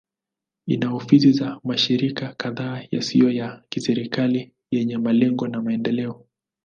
Ina ofisi za mashirika kadhaa yasiyo ya kiserikali yenye malengo ya maendeleo.